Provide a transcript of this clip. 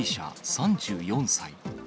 ３４歳。